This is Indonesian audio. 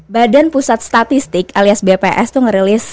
badan pusat statistik alias bps tuh ngerilis